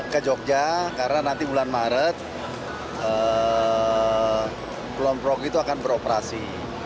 ke jogja karena nanti bulan maret kelompok itu akan beroperasi